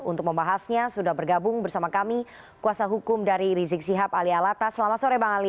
untuk membahasnya sudah bergabung bersama kami kuasa hukum dari rizik sihab ali alatas selamat sore bang ali